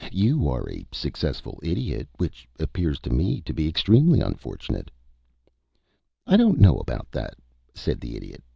"You are a success as an Idiot, which appears to me to be extremely unfortunate." "I don't know about that," said the Idiot.